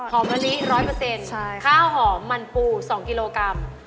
มะลิ๑๐๐ข้าวหอมมันปู๒กิโลกรัม